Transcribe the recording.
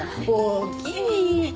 おおきに。